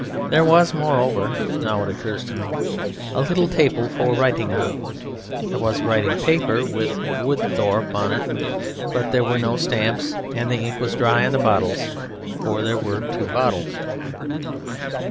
There was, moreover (now it occurs to me), a little table for writing on; there was writing paper with "Wood Thorpe" on it, but there were no stamps, and the ink was dry in the bottles (for there were two bottles).